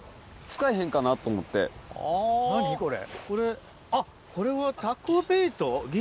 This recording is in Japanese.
何これ。